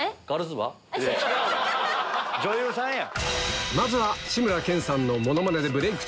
女優さんや！